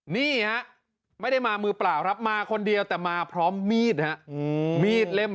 นี่ฮะไม่ได้มามือเปล่าครับมาคนเดียวแต่มาพร้อมมีดฮะมีดเล่ม